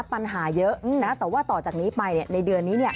ปัญหาเยอะแต่ว่าต่อจากนี้ไปเนี่ยในเดือนนี้เนี่ย